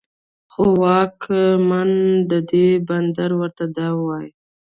خو واکمن د دې بندر ورته دا وايي